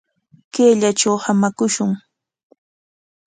Kayllatraw hamakushun.